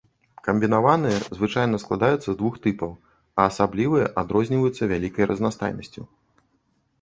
Камбінаваныя звычайна складаюцца з двух тыпаў, а асаблівыя адрозніваюцца вялікай разнастайнасцю.